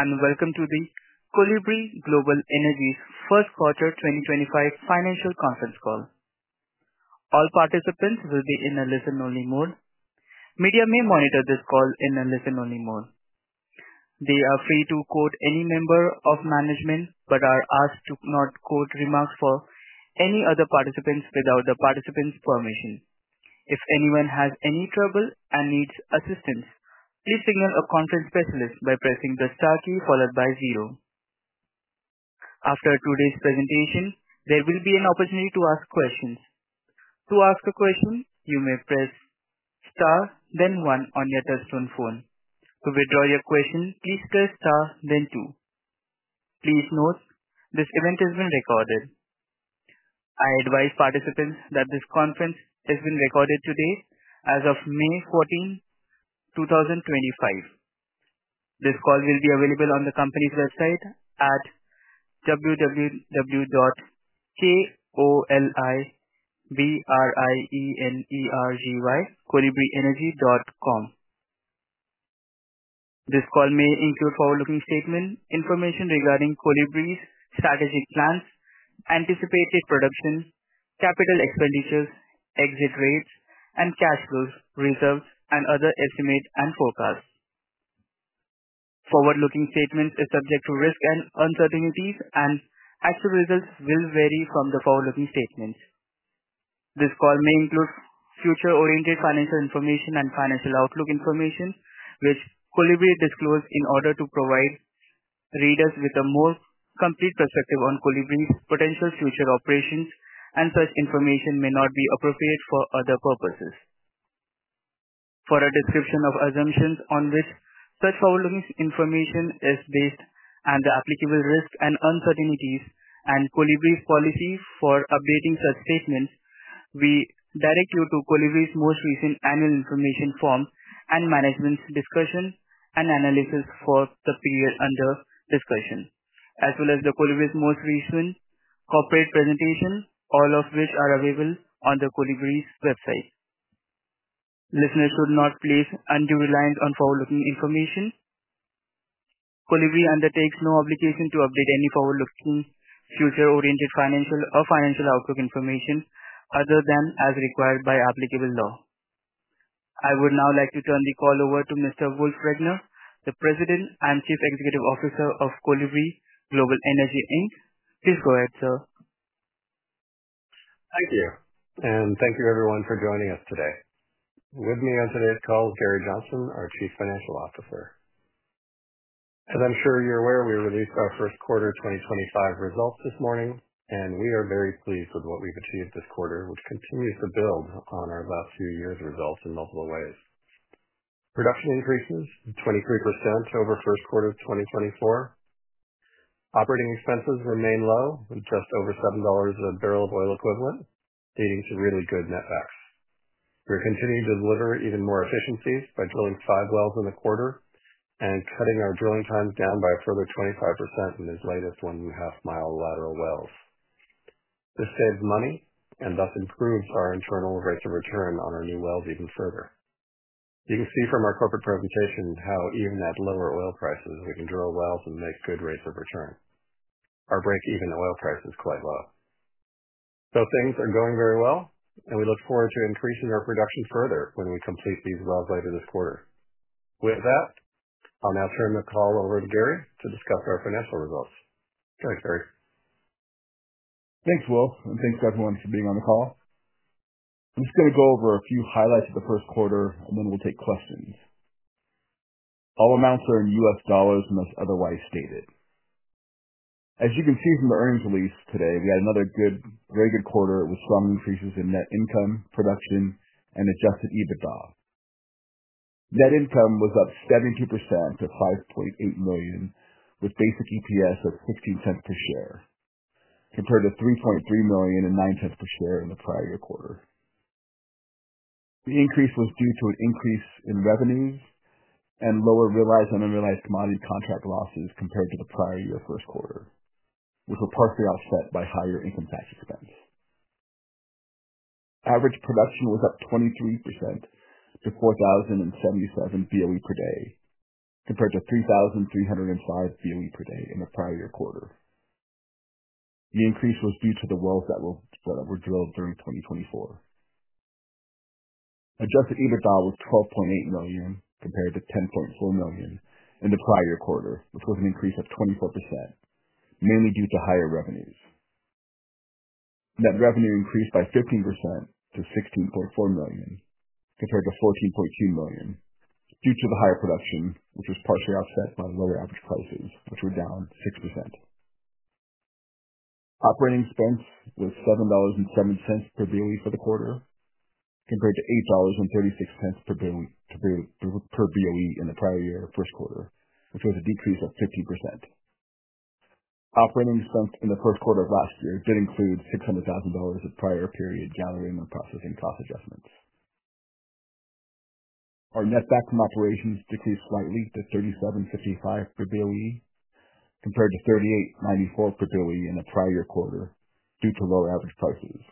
Welcome to the Kolibri Global Energy first quarter 2025 financial conference call. All participants will be in a listen-only mode. Media may monitor this call in a listen-only mode. They are free to quote any member of management but are asked to not quote remarks for any other participants without the participants' permission. If anyone has any trouble and needs assistance, please signal a conference specialist by pressing the star key followed by zero. After today's presentation, there will be an opportunity to ask questions. To ask a question, you may press star, then one on your touch-tone phone. To withdraw your question, please press star, then two. Please note, this event has been recorded. I advise participants that this conference has been recorded today as of May 14, 2025. This call will be available on the company's website at www.kolibrienergy.com. This call may include forward-looking statement information regarding Kolibri's strategic plans, anticipated production, capital expenditures, exit rates, and cash flow reserves, and other estimates and forecasts. Forward-looking statements are subject to risk and uncertainties, and actual results will vary from the forward-looking statements. This call may include future-oriented financial information and financial outlook information, which Kolibri disclosed in order to provide readers with a more complete perspective on Kolibri's potential future operations, and such information may not be appropriate for other purposes. For a description of assumptions on which such forward-looking information is based and the applicable risks and uncertainties, and Kolibri's policy for updating such statements, we direct you to Kolibri's most recent annual information form and management's discussion and analysis for the period under discussion, as well as Kolibri's most recent corporate presentation, all of which are available on Kolibri's website. Listeners should not place undue reliance on forward-looking information. Kolibri undertakes no obligation to update any forward-looking, future-oriented financial or financial outlook information other than as required by applicable law. I would now like to turn the call over to Mr. Wolf Regener, the President and Chief Executive Officer of Kolibri Global Energy. Please go ahead, sir. Thank you. Thank you, everyone, for joining us today. With me on today's call is Gary Johnson, our Chief Financial Officer. As I'm sure you're aware, we released our first quarter 2025 results this morning, and we are very pleased with what we've achieved this quarter, which continues to build on our last few years' results in multiple ways. Production increases to 23% over first quarter of 2024. Operating expenses remain low, just over $7 a barrel of oil equivalent, leading to really good net back. We're continuing to deliver even more efficiencies by drilling five wells in the quarter and cutting our drilling times down by a further 25% in these latest one-and-a-half-mile lateral wells. This saves money and thus improves our internal rates of return on our new wells even further. You can see from our corporate presentation how even at lower oil prices, we can drill wells and make good rates of return. Our break-even oil price is quite low. Things are going very well, and we look forward to increasing our production further when we complete these wells later this quarter. With that, I'll now turn the call over to Gary to discuss our financial results. Go ahead, Gary. Thanks, Will, and thanks, everyone, for being on the call. I'm just going to go over a few highlights of the first quarter, and then we'll take questions. All amounts are in US dollars unless otherwise stated. As you can see from the earnings release today, we had another very good quarter with strong increases in net income, production, and adjusted EBITDA. Net income was up 72% to $5.8 million, with basic EPS of $0.16 per share, compared to $3.3 million and $0.09 per share in the prior year quarter. The increase was due to an increase in revenues and lower realized and unrealized commodity contract losses compared to the prior year first quarter, which were partially offset by higher income tax expense. Average production was up 23% to 4,077 BOE per day, compared to 3,305 BOE per day in the prior year quarter. The increase was due to the wells that were drilled during 2024. Adjusted EBITDA was $12.8 million, compared to $10.4 million in the prior year quarter, which was an increase of 24%, mainly due to higher revenues. Net revenue increased by 15% to $16.4 million, compared to $14.2 million, due to the higher production, which was partially offset by lower average prices, which were down 6%. Operating expense was $7.07 per BOE for the quarter, compared to $8.36 per BOE in the prior year first quarter, which was a decrease of 15%. Operating expense in the first quarter of last year did include $600,000 of prior period gathering and processing cost adjustments. Our net back from operations decreased slightly to $3,755 per BOE, compared to $3,894 per BOE in the prior year quarter due to lower average prices.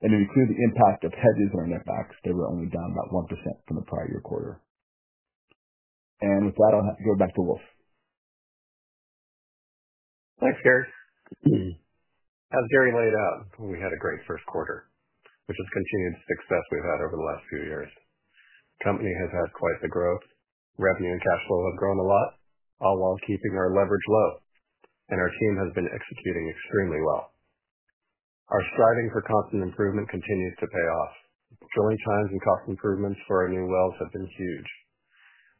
To include the impact of hedges on our net back, they were only down about 1% from the prior year quarter. With that, I'll go back to Wolf. Thanks, Gary. As Gary laid out, we had a great first quarter, which is continued success we've had over the last few years. The company has had quite the growth. Revenue and cash flow have grown a lot, all while keeping our leverage low, and our team has been executing extremely well. Our striving for constant improvement continues to pay off. Drilling times and cost improvements for our new wells have been huge.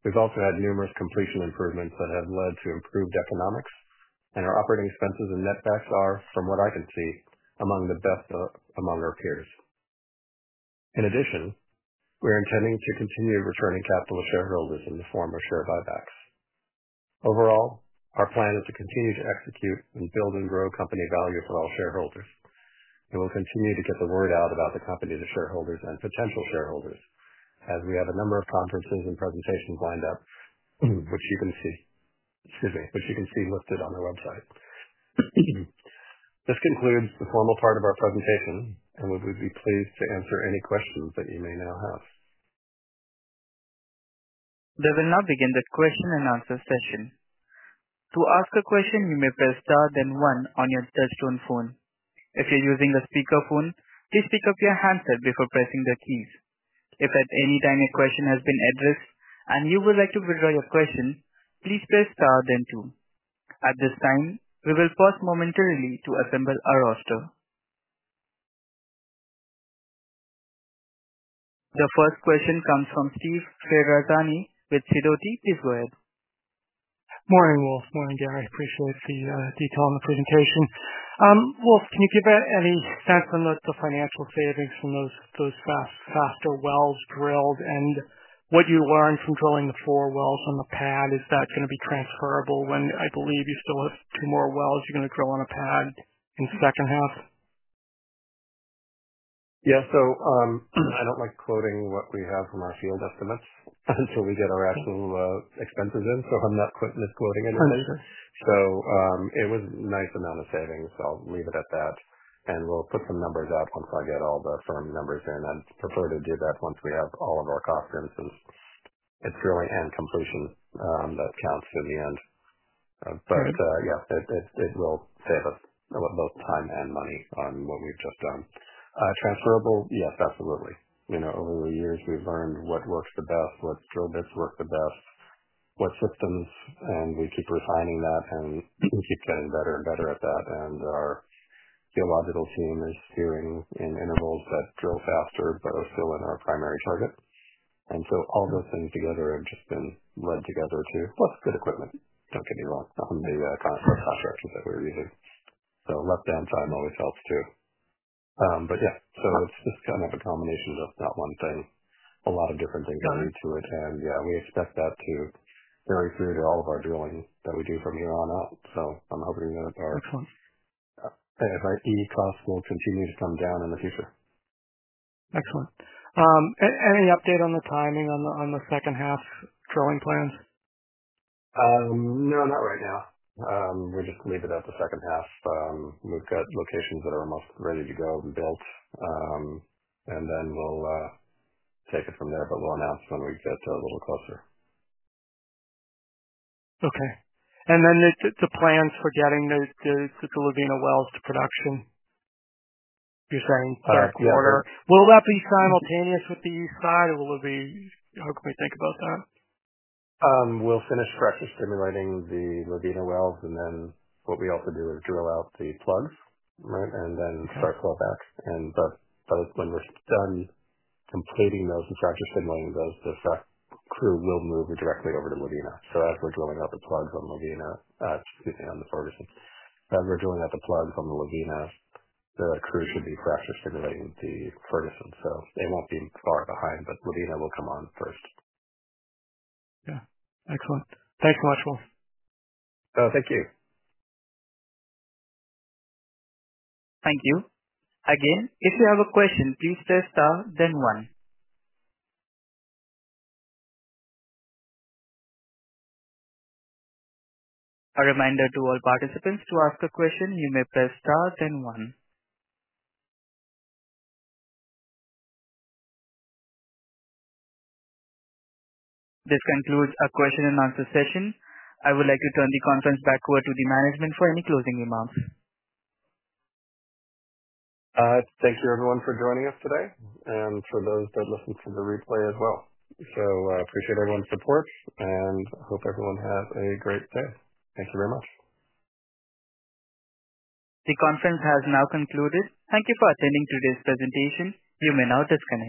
We've also had numerous completion improvements that have led to improved economics, and our operating expenses and net back are, from what I can see, among the best among our peers. In addition, we're intending to continue returning capital to shareholders in the form of share buybacks. Overall, our plan is to continue to execute and build and grow company value for all shareholders. We will continue to get the word out about the company to shareholders and potential shareholders, as we have a number of conferences and presentations lined up, which you can see, excuse me, which you can see listed on our website. This concludes the formal part of our presentation, and we would be pleased to answer any questions that you may now have. We will now begin the question and answer session. To ask a question, you may press star then one on your touch-tone phone. If you're using a speakerphone, please pick up your handset before pressing the keys. If at any time a question has been addressed and you would like to withdraw your question, please press star then two. At this time, we will pause momentarily to assemble our roster. The first question comes from Steve Ferazani with Sidoti. Please go ahead. Morning, Will. Morning, Gary. Appreciate the detail in the presentation. Will, can you give any sense on the financial savings from those faster wells drilled and what you learned from drilling the four wells on the pad? Is that going to be transferable when I believe you still have two more wells you're going to drill on a pad in the second half? Yeah. I do not like quoting what we have from our field estimates until we get our actual expenses in, so I am not quoting this anyway. It was a nice amount of savings, so I will leave it at that. We will put some numbers out once I get all the firm numbers in. I would prefer to do that once we have all of our costs, since it is drilling and completion that counts in the end. Yeah, it will save us both time and money on what we have just done. Transferable? Yes, absolutely. Over the years, we have learned what works the best, what drill bits work the best, what systems, and we keep refining that and keep getting better and better at that. Our geological team is doing in intervals that drill faster but are still in our primary target. All those things together have just been led together to, well, it's good equipment, don't get me wrong, on the contractors that we're using. Let-down time always helps too. Yeah, it's just kind of a combination of not one thing. A lot of different things are linked to it. Yeah, we expect that to carry through to all of our drilling that we do from here on out. I'm hoping that our E costs will continue to come down in the future. Excellent. Any update on the timing on the second half drilling plans? No, not right now. We'll just leave it at the second half. We've got locations that are almost ready to go and built, and then we'll take it from there, but we'll announce when we get a little closer. Okay. And then the plans for getting the Coloidina wells to production, you're saying third quarter? Correct. Will that be simultaneous with the east side? How can we think about that? We'll finish pressure stimulating the Levine wells, and then what we also do is drill out the plugs, right, and then start slow back. When we're done completing those and pressure stimulating those, the crew will move directly over to Levine. As we're drilling out the plugs on Levine—excuse me—on the Ferguson. As we're drilling out the plugs on the Levine, the crew should be pressure stimulating the Ferguson. They won't be far behind, but Levine will come on first. Yeah. Excellent. Thanks so much, Wolf. Oh, thank you. Thank you. Again, if you have a question, please press star then one. A reminder to all participants to ask a question. You may press star then one. This concludes our question and answer session. I would like to turn the conference back over to the management for any closing remarks. Thank you, everyone, for joining us today, and for those that listened to the replay as well. I appreciate everyone's support, and I hope everyone has a great day. Thank you very much. The conference has now concluded. Thank you for attending today's presentation. You may now disconnect.